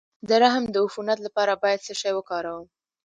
د رحم د عفونت لپاره باید څه شی وکاروم؟